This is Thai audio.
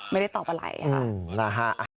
ไม่ได้ตอบอะไรค่ะนะฮะ